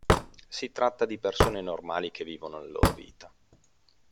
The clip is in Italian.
Si tratta di persone normali che vivono la loro vita.